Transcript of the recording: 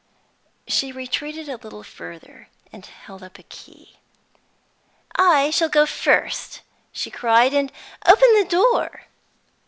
She retreated a little further, and held up the key: "I shall go first," she cried, "and open the door."